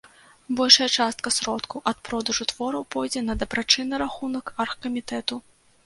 Большая частка сродкаў ад продажу твораў пойдзе на дабрачынны рахунак аргкамітэту.